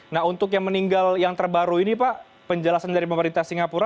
nah untuk yang meninggal yang terbaru ini pak penjelasan dari pemerintah singapura